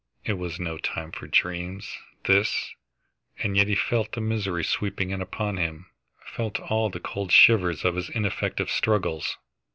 It was no time for dreams, this, and yet he felt the misery sweeping in upon him, felt all the cold shivers of his ineffective struggles.